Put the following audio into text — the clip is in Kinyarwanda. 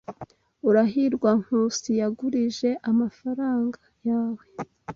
Urahirwa Nkusi yagurije amafaranga yawe.